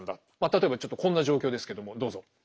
例えばちょっとこんな状況ですけどもどうぞ。